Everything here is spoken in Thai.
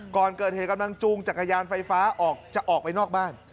ก่อนเกิดเหตุกำลังจูงจักรยานไฟฟ้าออกจะออกไปนอกบ้าน